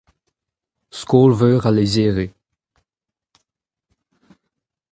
Skol-veur al lizhiri.